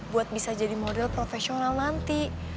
buat bisa jadi model profesional nanti